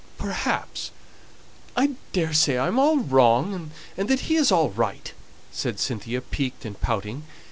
"Perhaps. I daresay I'm all wrong, and that he is all right," said Cynthia, piqued and pouting.